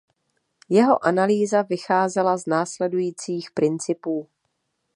Jeho analýza vycházela z následujících principů.